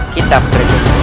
kita berjalan bersama